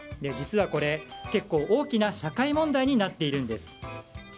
実はこれ、結構大きな社会問題になっているんです。